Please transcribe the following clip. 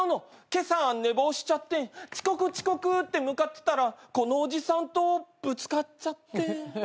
今朝寝坊しちゃって遅刻遅刻って向かってたらこのおじさんとぶつかっちゃって。